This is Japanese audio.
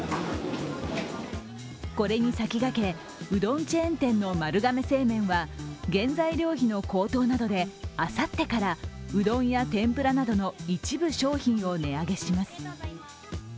これに先駆け、うどんチェーン店の丸亀製麺は原材料費の高騰などであさってからうどんや天ぷらなどの一部商品を値上げします。